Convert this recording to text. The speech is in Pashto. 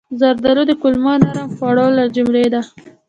زردالو د کولمو نرم خوړو له ډلې ده.